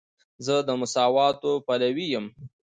زه د مساواتو پلوی یم.